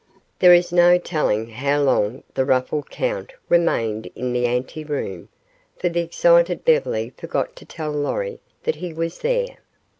There is no telling how long the ruffled count remained in the ante room, for the excited Beverly forgot to tell Lorry that he was there.